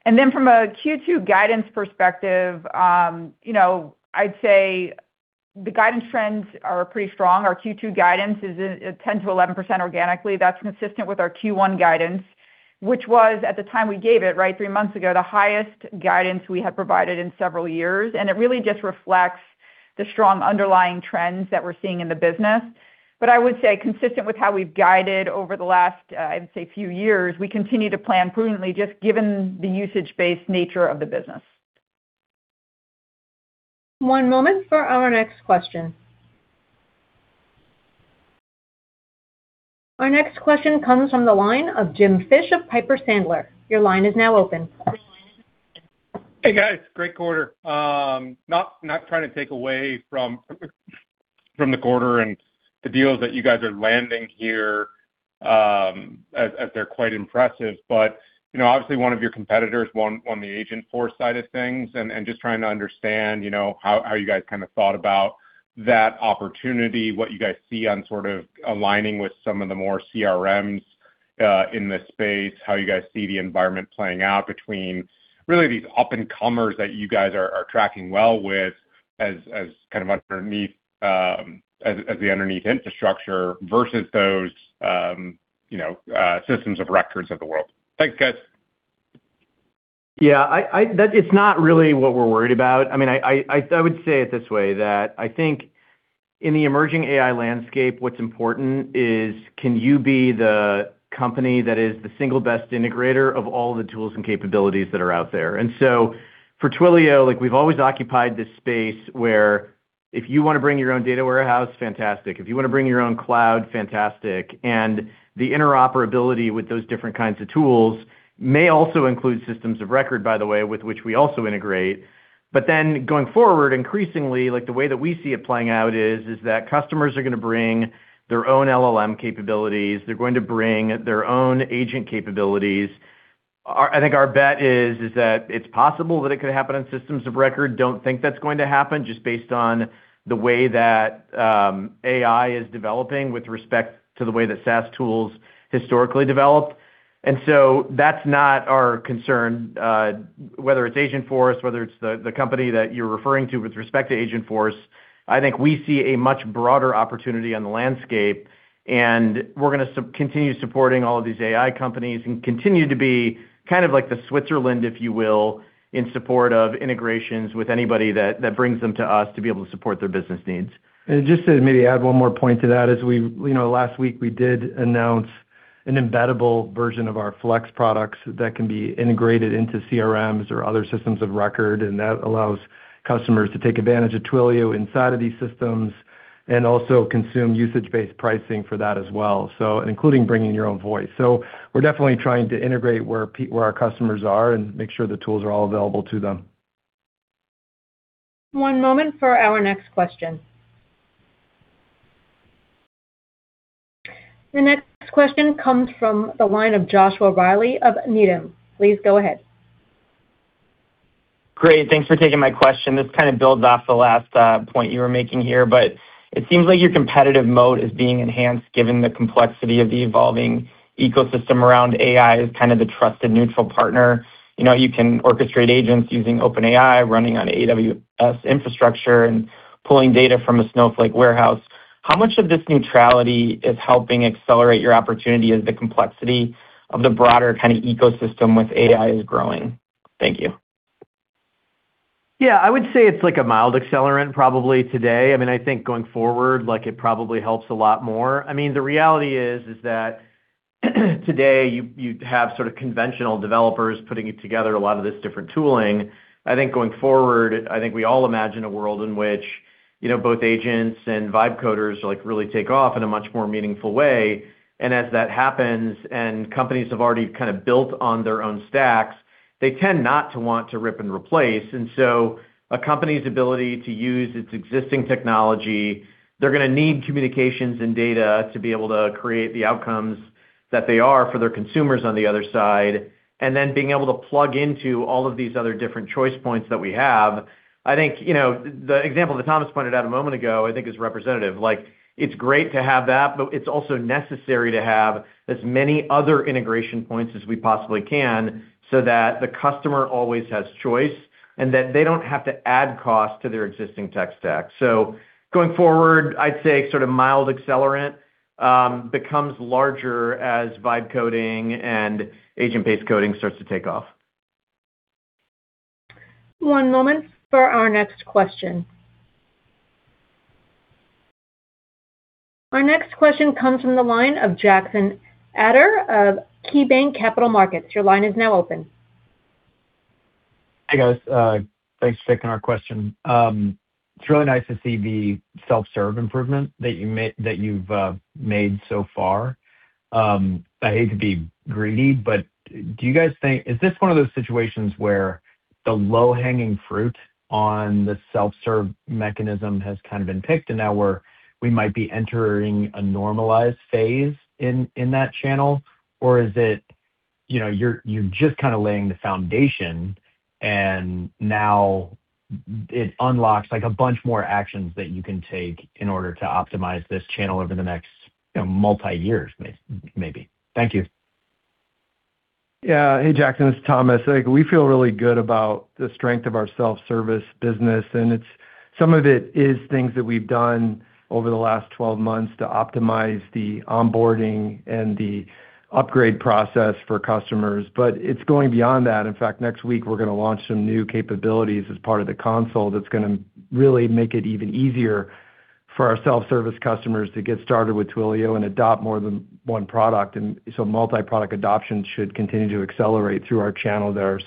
Speaker 4: From a Q2 guidance perspective, you know, I'd say the guidance trends are pretty strong. Our Q2 guidance is at 10%-11% organically. That's consistent with our Q1 guidance, which was, at the time we gave it, right, three months ago, the highest guidance we had provided in several years. It really just reflects the strong underlying trends that we're seeing in the business. I would say consistent with how we've guided over the last, I'd say few years, we continue to plan prudently just given the usage-based nature of the business.
Speaker 1: One moment for our next question. Our next question comes from the line of Jim Fish of Piper Sandler. Your line is now open.
Speaker 16: Hey, guys. Great quarter. not trying to take away from the quarter and the deals that you guys are landing here, as they're quite impressive. But you know, obviously one of your competitors won the Agentforce side of things and just trying to understand, you know, how you guys kind of thought about that opportunity, what you guys see on sort of aligning with some of the more CRMs in this space, how you guys see the environment playing out between really these up-and-comers that you guys are tracking well with as kind of underneath as the underneath infrastructure versus those, you know, systems of records of the world. Thanks, guys.
Speaker 3: Yeah, I. That is not really what we're worried about. I mean, I would say it this way, that I think in the emerging AI landscape, what's important is can you be the company that is the single best integrator of all the tools and capabilities that are out there? For Twilio, like, we've always occupied this space where if you wanna bring your own data warehouse, fantastic. If you wanna bring your own cloud, fantastic. The interoperability with those different kinds of tools may also include systems of record, by the way, with which we also integrate. Going forward, increasingly, like, the way that we see it playing out is that customers are gonna bring their own LLM capabilities. They're going to bring their own agent capabilities. I think our bet is that it's possible that it could happen on systems of record. Don't think that's going to happen just based on the way that AI is developing with respect to the way that SaaS tools historically develop. That's not our concern, whether it's Agentforce, whether it's the company that you're referring to with respect to Agentforce. I think we see a much broader opportunity on the landscape, and we're gonna continue supporting all of these AI companies and continue to be kind of like the Switzerland, if you will, in support of integrations with anybody that brings them to us to be able to support their business needs.
Speaker 6: Just to maybe add one more point to that, as you know, last week we did announce an embeddable version of our Flex products that can be integrated into CRMs or other systems of record, that allows customers to take advantage of Twilio inside of these systems and also consume usage-based pricing for that as well, so including bringing your own voice. We're definitely trying to integrate where our customers are and make sure the tools are all available to them.
Speaker 1: One moment for our next question. The next question comes from the line of Joshua Reilly of Needham. Please go ahead.
Speaker 17: Great. Thanks for taking my question. This kind of builds off the last point you were making here, it seems like your competitive mode is being enhanced given the complexity of the evolving ecosystem around AI as kind of the trusted neutral partner. You know, you can orchestrate agents using OpenAI, running on AWS infrastructure, and pulling data from a Snowflake warehouse. How much of this neutrality is helping accelerate your opportunity as the complexity of the broader kind of ecosystem with AI is growing? Thank you.
Speaker 3: Yeah, I would say it's like a mild accelerant probably today. I mean, I think going forward, like, it probably helps a lot more. I mean, the reality is that today you have sort of conventional developers putting it together a lot of this different tooling. I think going forward, I think we all imagine a world in which, you know, both agents and vibe coders, like, really take off in a much more meaningful way. As that happens and companies have already kind of built on their own stacks, they tend not to want to rip and replace. A company's ability to use its existing technology, they're going to need communications and data to be able to create the outcomes that they are for their consumers on the other side, and then being able to plug into all of these other different choice points that we have. The example that Thomas pointed out a moment ago is representative. It's great to have that, but it's also necessary to have as many other integration points as we possibly can so that the customer always has choice and that they don't have to add cost to their existing tech stack. Going forward, I'd say sort of mild accelerant, becomes larger as vibe coding and agent-based coding starts to take off.
Speaker 1: One moment for our next question. Our next question comes from the line of Jackson Ader of KeyBanc Capital Markets. Your line is now open.
Speaker 18: Hi, guys. Thanks for taking our question. It's really nice to see the self-serve improvement that you've made so far. I hate to be greedy, but do you guys think? Is this one of those situations where the low-hanging fruit on the self-serve mechanism has kind of been picked, and now we might be entering a normalized phase in that channel? Or is it, you know, you're just kind of laying the foundation and now it unlocks like a bunch more actions that you can take in order to optimize this channel over the next, you know, multi years maybe? Thank you.
Speaker 6: Yeah. Hey, Jackson, it's Thomas. Like, we feel really good about the strength of our self-service business. Some of it is things that we've done over the last 12 months to optimize the onboarding and the upgrade process for customers, but it's going beyond that. In fact, next week we're gonna launch some new capabilities as part of the console that's gonna really make it even easier for our self-service customers to get started with Twilio and adopt more than one product. Multi-product adoption should continue to accelerate through our channel there.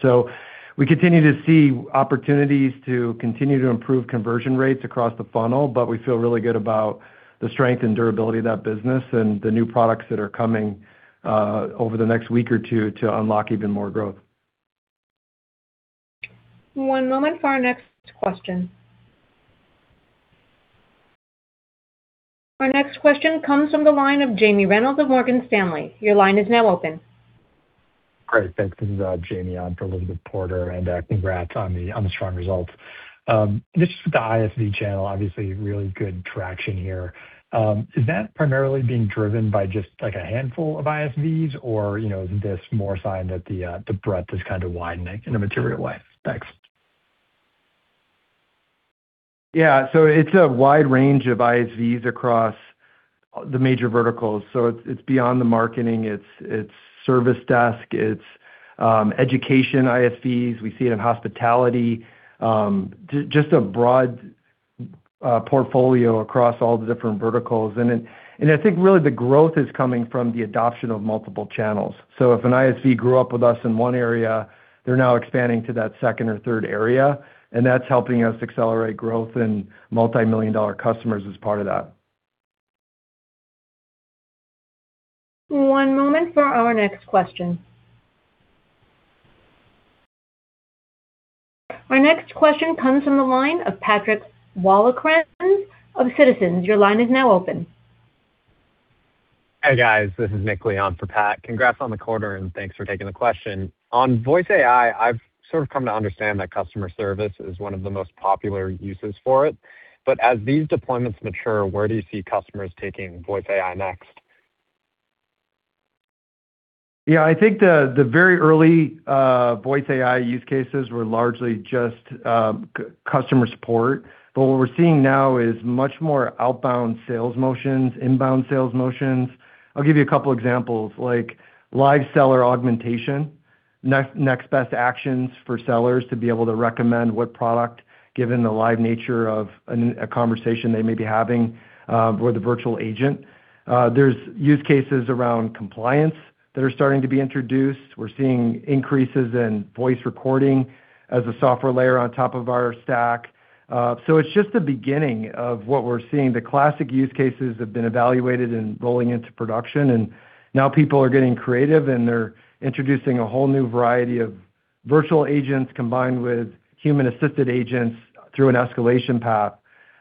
Speaker 6: We continue to see opportunities to continue to improve conversion rates across the funnel, but we feel really good about the strength and durability of that business and the new products that are coming over the next week or two to unlock even more growth.
Speaker 1: One moment for our next question. Our next question comes from the line of Jamie Reynolds of Morgan Stanley. Your line is now open.
Speaker 19: Great. Thanks. This is Jamie on for Elizabeth Porter. Congrats on the strong results. Just the ISV channel, obviously really good traction here. Is that primarily being driven by just, like, a handful of ISVs or, you know, is this more a sign that the breadth is kind of widening in a material way? Thanks.
Speaker 6: Yeah. It's a wide range of ISVs across the major verticals, so it's beyond the marketing. It's, it's service desk, it's education ISVs. We see it in hospitality. Just a broad portfolio across all the different verticals. I think really the growth is coming from the adoption of multiple channels. If an ISV grew up with us in one area, they're now expanding to that second or third area, and that's helping us accelerate growth and multi-million dollar customers as part of that.
Speaker 1: One moment for our next question. Our next question comes from the line of Patrick Walravens of Citizens.
Speaker 20: Hey, guys. This is Nick Lee on for Pat. Congrats on the quarter, and thanks for taking the question. On Voice AI, I've sort of come to understand that customer service is one of the most popular uses for it. As these deployments mature, where do you see customers taking Voice AI next?
Speaker 6: I think the very early Voice AI use cases were largely just customer support. What we're seeing now is much more outbound sales motions, inbound sales motions. I'll give you a couple examples, like live seller augmentation, next best actions for sellers to be able to recommend what product, given the live nature of a conversation they may be having with a virtual agent. There's use cases around compliance that are starting to be introduced. We're seeing increases in voice recording as a software layer on top of our stack. It's just the beginning of what we're seeing. The classic use cases have been evaluated and rolling into production. Now people are getting creative, and they're introducing a whole new variety of virtual agents combined with human-assisted agents through an escalation path.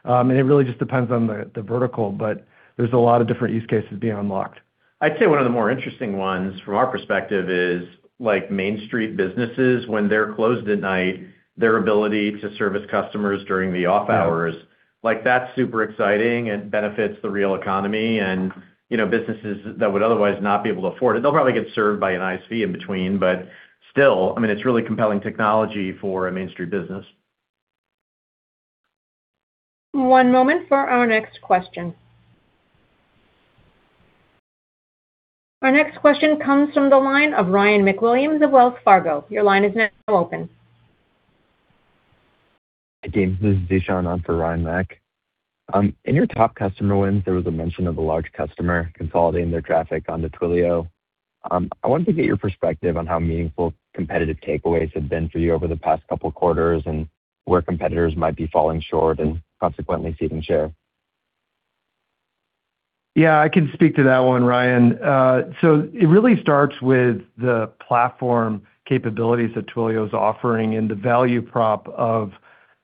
Speaker 6: It really just depends on the vertical, but there's a lot of different use cases being unlocked.
Speaker 3: I'd say one of the more interesting ones from our perspective is, like, Main Street businesses, when they're closed at night, their ability to service customers during the off hours. Like that's super exciting and benefits the real economy and, you know, businesses that would otherwise not be able to afford it. They'll probably get served by an ISV in between, but still, I mean, it's really compelling technology for a Main Street business.
Speaker 1: One moment for our next question. Our next question comes from the line of Ryan MacWilliams of Wells Fargo. Your line is now open.
Speaker 21: Hi, team. This is DeShaun on for Ryan Mac. In your top customer wins, there was a mention of a large customer consolidating their traffic onto Twilio. I wanted to get your perspective on how meaningful competitive takeaways have been for you over the past couple quarters and where competitors might be falling short and consequently ceding share.
Speaker 6: Yeah, I can speak to that one, Ryan. It really starts with the platform capabilities that Twilio is offering and the value prop of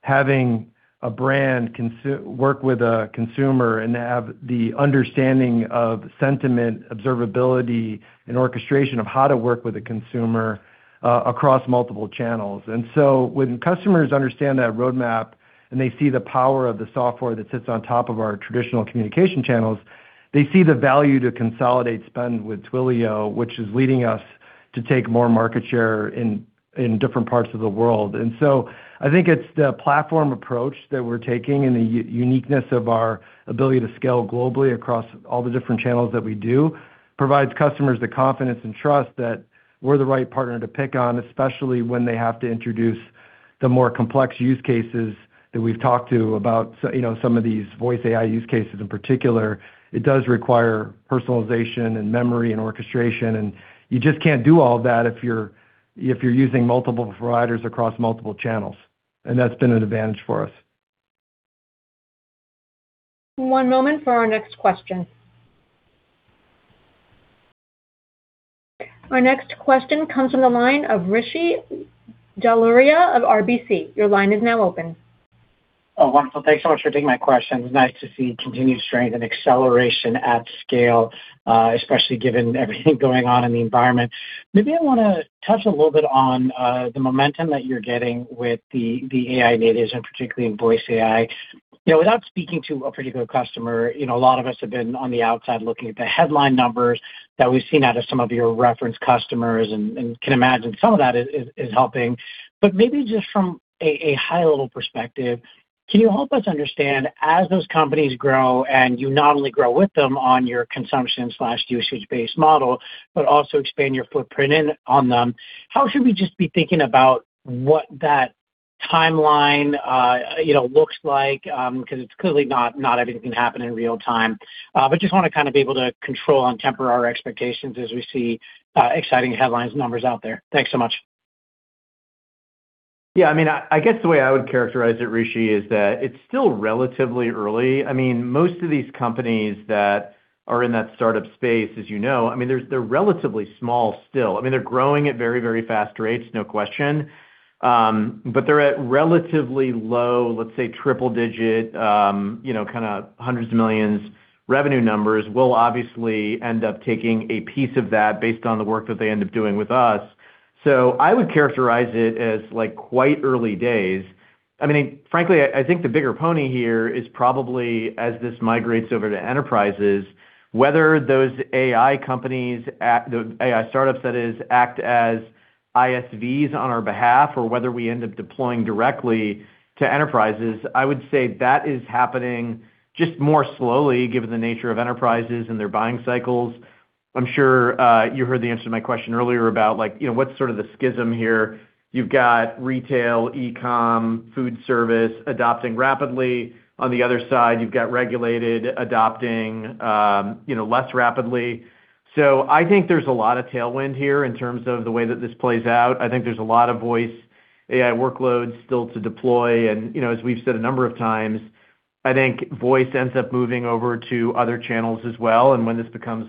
Speaker 6: having a brand work with a consumer and have the understanding of sentiment, observability, and orchestration of how to work with a consumer across multiple channels. When customers understand that roadmap and they see the power of the software that sits on top of our traditional communication channels, they see the value to consolidate spend with Twilio, which is leading us to take more market share in different parts of the world. I think it's the platform approach that we're taking and the uniqueness of our ability to scale globally across all the different channels that we do provides customers the confidence and trust that we're the right partner to pick on, especially when they have to introduce the more complex use cases that we've talked to about you know, some of these voice AI use cases in particular, it does require personalization and memory and orchestration, and you just can't do all that if you're using multiple providers across multiple channels. That's been an advantage for us.
Speaker 1: One moment for our next question. Our next question comes from the line of Rishi Jaluria of RBC. Your line is now open.
Speaker 22: Oh, wonderful. Thanks so much for taking my questions. Nice to see continued strength and acceleration at scale, especially given everything going on in the environment. Maybe I wanna touch a little bit on the momentum that you're getting with the AI natives and particularly in voice AI. You know, without speaking to a particular customer, you know, a lot of us have been on the outside looking at the headline numbers that we've seen out of some of your reference customers and can imagine some of that is helping. Maybe just from a high-level perspective, can you help us understand, as those companies grow and you not only grow with them on your consumption/usage-based model but also expand your footprint on them, how should we just be thinking about what that timeline, you know, looks like, 'cause it's clearly not everything can happen in real time. Just wanna kind of be able to control and temper our expectations as we see exciting headlines numbers out there. Thanks so much.
Speaker 3: Yeah, I mean, I guess the way I would characterize it, Rishi, is that it's still relatively early. I mean, most of these companies that are in that start-up space, as you know, I mean, they're relatively small still. I mean, they're growing at very fast rates, no question. They're at relatively low, let's say, triple-digit, you know, kinda hundreds of millions revenue numbers. We'll obviously end up taking a piece of that based on the work that they end up doing with us. I would characterize it as, like, quite early days. I mean, frankly, I think the bigger pony here is probably, as this migrates over to enterprises, whether those AI companies, the AI startups, that is, act as ISVs on our behalf, or whether we end up deploying directly to enterprises. I would say that is happening just more slowly given the nature of enterprises and their buying cycles. I'm sure you heard the answer to my question earlier about, like, you know, what's sort of the schism here. You've got retail, e-com, food service adopting rapidly. On the other side, you've got regulated adopting, you know, less rapidly. I think there's a lot of tailwind here in terms of the way that this plays out. I think there's a lot of voice AI workloads still to deploy and, you know, as we've said a number of times, I think voice ends up moving over to other channels as well. When this becomes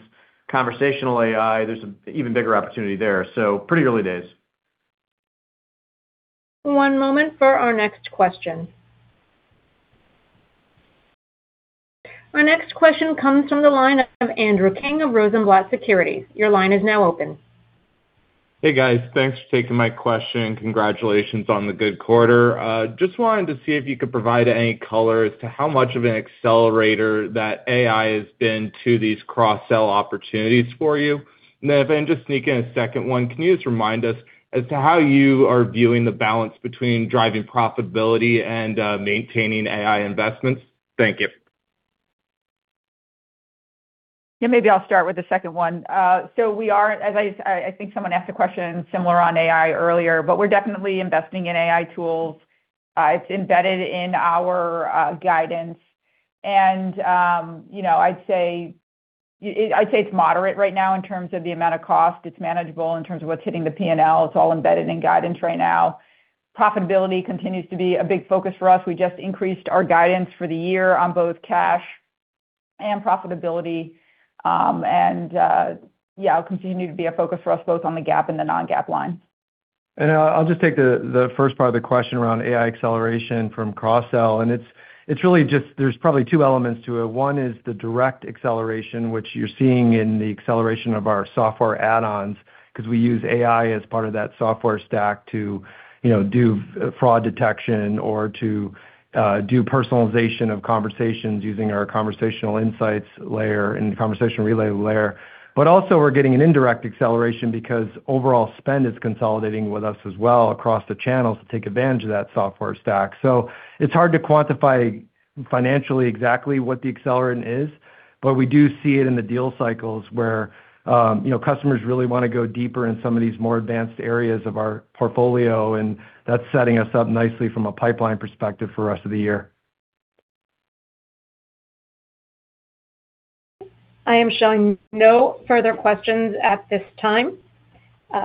Speaker 3: conversational AI, there's an even bigger opportunity there. Pretty early days.
Speaker 1: One moment for our next question. Our next question comes from the line of Andrew King of Rosenblatt Securities. Your line is now open.
Speaker 23: Hey, guys. Thanks for taking my question. Congratulations on the good quarter. Just wanted to see if you could provide any color as to how much of an accelerator that AI has been to these cross-sell opportunities for you. If I can just sneak in a second one. Can you just remind us as to how you are viewing the balance between driving profitability and maintaining AI investments? Thank you.
Speaker 4: Yeah, maybe I'll start with the second one. We are, as I think someone asked a question similar on AI earlier, but we're definitely investing in AI tools. It's embedded in our guidance and, you know, I'd say it's moderate right now in terms of the amount of cost. It's manageable in terms of what's hitting the P&L. It's all embedded in guidance right now. Profitability continues to be a big focus for us. We just increased our guidance for the year on both cash and profitability. Yeah, it'll continue to be a focus for us both on the GAAP and the non-GAAP line.
Speaker 6: I'll just take the first part of the question around AI acceleration from cross-sell. It's really just there's probably two elements to it. One is the direct acceleration, which you're seeing in the acceleration of our software add-ons, 'cause we use AI as part of that software stack to, you know, do fraud detection or to do personalization of conversations using our conversational insights layer and ConversationRelay layer. Also, we're getting an indirect acceleration because overall spend is consolidating with us as well across the channels to take advantage of that software stack. It's hard to quantify financially exactly what the accelerant is, but we do see it in the deal cycles where, you know, customers really wanna go deeper in some of these more advanced areas of our portfolio, and that's setting us up nicely from a pipeline perspective for rest of the year.
Speaker 1: I am showing no further questions at this time.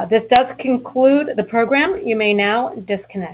Speaker 1: This does conclude the program. You may now disconnect.